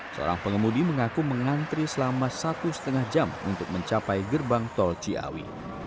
seorang pengemudi mengaku mengantri selama satu lima jam untuk mencapai gerbang tol ciawi